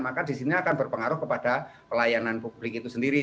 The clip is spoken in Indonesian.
maka disini akan berpengaruh kepada pelayanan publik itu sendiri